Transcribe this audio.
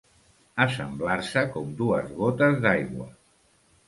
Assemblar-se com dues gotes d'aigua.